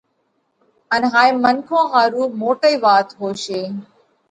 ان هائي منکون ۿارُو موٽئِي وات هوشي